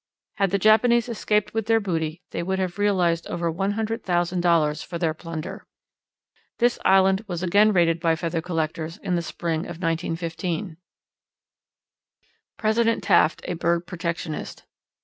Had the Japanese escaped with their booty they would have realized over one hundred thousand dollars for their plunder. This island was again raided by feather collectors in the spring of 1915. _President Taft a Bird Protectionist.